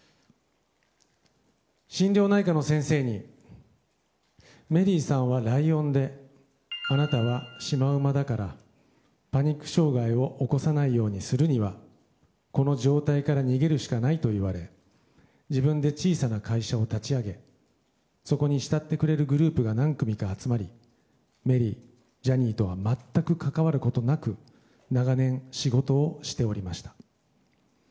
心療内科の先生にメリーさんはライオンであなたはシマウマだからパニック障害を起こさないようにするにはこの状態から逃げるしかないと言われ自分で小さな会社を立ち上げそこに慕ってくれるグループが何組か集まりメリー、ジャニーとは全く関わることなく長年仕事をしておりました。